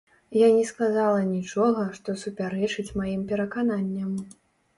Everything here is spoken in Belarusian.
Я не сказала нічога, што супярэчыць маім перакананням.